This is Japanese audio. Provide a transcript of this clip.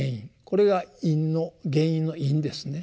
これが因の原因の因ですね。